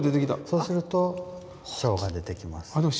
そうすると蝶が出てきます。